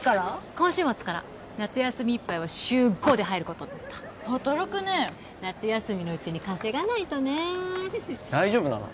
今週末から夏休みいっぱいは週５で入ることになった働くね夏休みのうちに稼がないとね大丈夫なの？